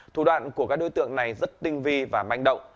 thủ đoạn của các đối tượng này rất tinh vi và manh động